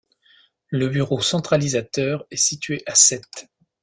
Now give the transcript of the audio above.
Le bureau centralisateur est situé à Sète.